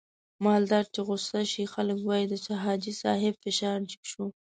مالدار چې غوسه شي خلک واي د حاجي صاحب فشار جګ شو.